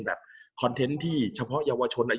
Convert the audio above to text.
กับการสตรีมเมอร์หรือการทำอะไรอย่างเงี้ย